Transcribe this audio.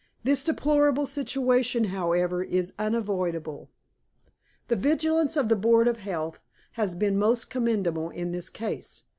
This deplorable situation, however, is unavoidable. "The vigilance of the board of health has been most commendable in this case.